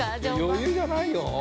◆余裕じゃないよ。